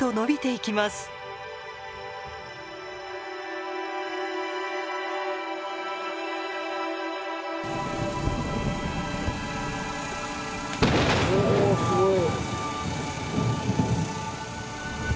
おすごい。